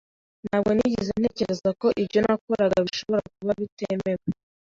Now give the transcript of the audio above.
Ntabwo nigeze ntekereza ko ibyo nakoraga bishobora kuba bitemewe.